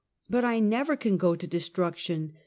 " But I never can go to destruction